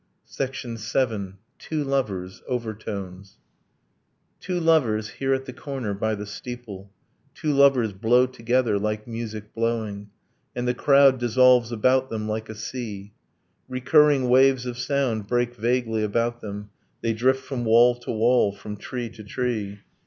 VII. TWO LOVERS: OVERTONES Two lovers, here at the corner, by the steeple, Two lovers blow together like music blowing: And the crowd dissolves about them like a sea. Recurring waves of sound break vaguely about them, They drift from wall to wall, from tree to tree.